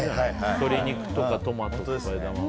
鶏肉とかトマトとか枝豆とか。